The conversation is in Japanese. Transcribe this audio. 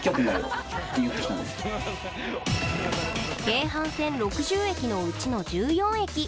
京阪線６０駅のうちの１４駅。